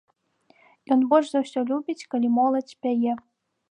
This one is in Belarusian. Ён больш за ўсё любіць, калі моладзь пяе.